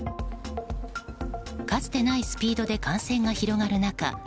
かつてないスピードで感染が広がる中